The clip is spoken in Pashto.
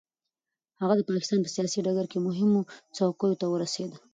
هغه د پاکستان په سیاسي ډګر کې مهمو څوکیو ته ورسېد.